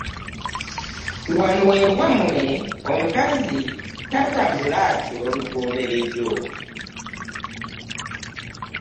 Wano we wammwe, omukazi tatambula atyo lugomberezo.